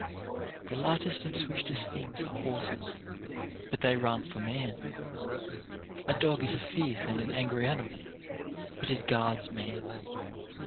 The lightest and swiftest things are horses ; but they run for man. A dog is a fierce and an angry animal ; but it guards man.